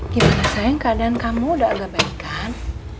gimana sayang keadaan kamu udah agak baik kan